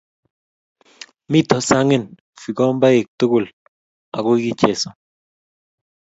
mito sang'in fikombaik tugul akuki yesio